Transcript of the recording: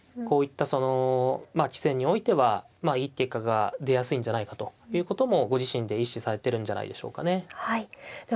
こういったその棋戦においてはまあいい結果が出やすいんじゃないかということもご自身で意識されてるんじゃないでしょうかね。